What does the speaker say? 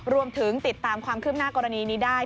รวมถึงติดตามความคืบหน้ากรณีนี้ได้